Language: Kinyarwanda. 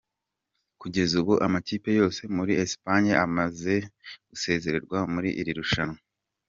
Kugeza ubu amakipe yose yo muri Esipanye amaze gusezererwa muri iri rushanwa.